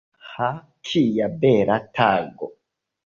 Ha, kia bela tago!